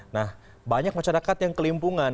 nah banyak masyarakat yang kelimpungan